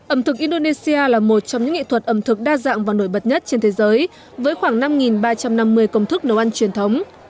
ẩm thực indonesia là một trong những nghệ thuật ẩm thực đa dạng và nổi bật nhất trên thế giới với khoảng năm ba trăm năm mươi công thức nấu ăn truyền thống